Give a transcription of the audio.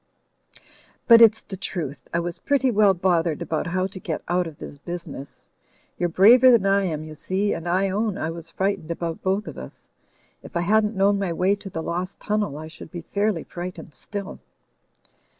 "But it's the truth I was pretty well bothered about how to get out of this business. You're braver than I am, you see, and I own I was frightened about both of us. If I hadn't known my way to the lost tunnel, I should be fairly frightened still."